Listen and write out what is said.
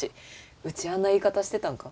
ウチあんな言い方してたんか？